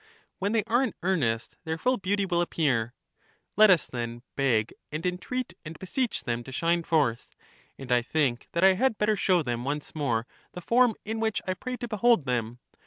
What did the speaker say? When they are in earnest their full beauty will appear: let us then beg and entreat and beseech them to shine forth. And I think that I had better show them once more the form in which I pray to behold them.